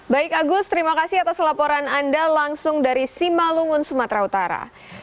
baik agus terima kasih atas laporan anda langsung dari simalungun sumatera utara